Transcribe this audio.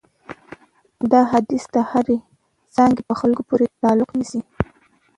دا حدیث د هرې څانګې په خلکو پورې تعلق نیسي.